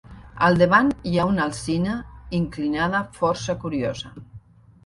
Al davant hi ha una alzina inclinada força curiosa.